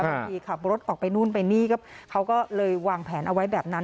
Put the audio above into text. ขี่ขับรถออกไปนู่นไปนี่ก็เขาก็เลยวางแผนเอาไว้แบบนั้น